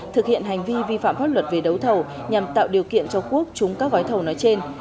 thực hiện hành vi vi phạm pháp luật về đấu thầu nhằm tạo điều kiện cho quốc chúng các gói thầu nói trên